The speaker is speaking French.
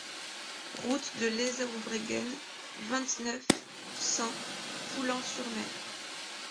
Route de Lezaouvreguen, vingt-neuf, cent Poullan-sur-Mer